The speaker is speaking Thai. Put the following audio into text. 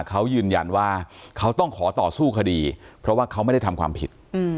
เขายืนยันว่าเขาต้องขอต่อสู้คดีเพราะว่าเขาไม่ได้ทำความผิด